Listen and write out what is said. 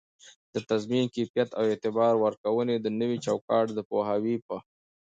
د تضمین کیفیت او اعتبار ورکووني د نوي چوکات د پوهاوي په